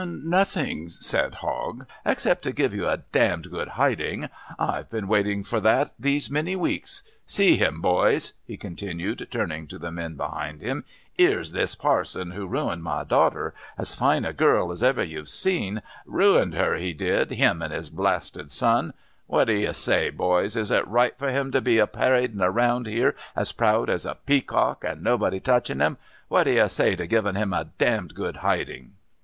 "Nothing," said Hogg, "except to give you a damned good hiding. I've been waiting for that these many weeks. See him, boys," he continued, turning to the men behind him. "'Ere's this parson who ruined my daughter as fine a girl as ever you've seen ruined 'er, he did him and his blasted son. What d'you say, boys? Is it right for him to be paradin' round here as proud as a peacock and nobody touchin' him? What d'you say to givin' him a damned good hiding?"